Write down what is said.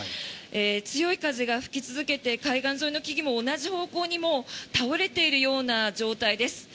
強い風が吹き続けて海岸沿いの木々も同じ方向に倒れているような状態です。